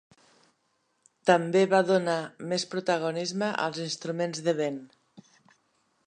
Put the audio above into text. També va donar més protagonisme als instruments de vent.